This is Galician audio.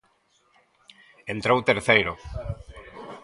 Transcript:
Entrou terceiro.